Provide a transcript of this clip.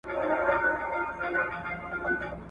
او ستا پت مي په مالت کي دی ساتلی ,